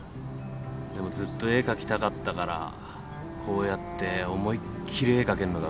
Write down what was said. でもずっと絵描きたかったからこうやって思いっ切り絵描けんのがうれしくてよ。